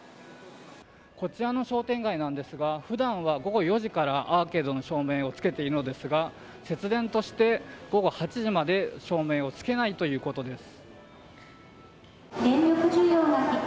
こちらの商店街なんですが普段は午後４時からアーケードの照明をつけているんですが節電として、午後８時まで照明をつけないということです。